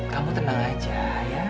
kamu tenang aja ya